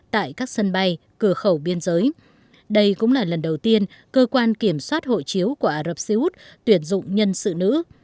tại các sân bay cửa khẩu biên giới đây cũng là lần đầu tiên cơ quan kiểm soát hộ chiếu của ả rập xê út tuyển dụng nhân sự nữ